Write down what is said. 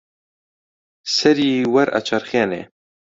سەری وەرئەچەرخێنێ